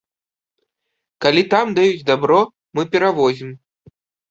Калі там даюць дабро, мы перавозім.